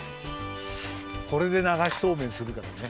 これでながしそうめんするからね。